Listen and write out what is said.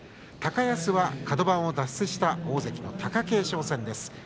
高安はカド番を脱出した大関貴景勝戦です。